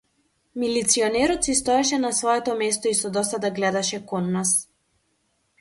Милиционерот си стоеше на своето место и со досада гледаше кон нас.